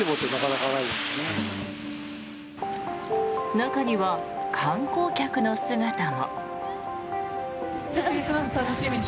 中には観光客の姿も。